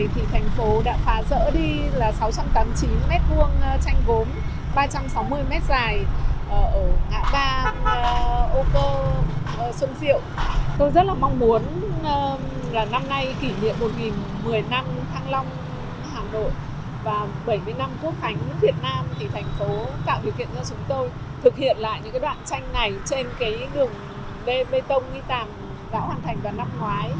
tạo điều kiện cho chúng tôi thực hiện lại những đoạn tranh này trên đường bê tông nghi tàm đã hoàn thành vào năm ngoái